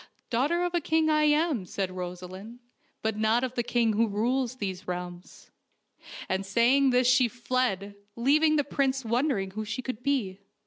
" Daughter of a king I am," said Rosaleen, " but not of the king who rules these realms." And saying this she fled, leaving the prince wondering who she could be.